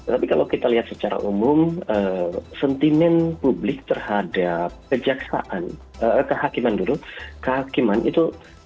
tapi kalau kita lihat secara umum sentimen publik terhadap kejaksaan kehakiman dulu kehakiman itu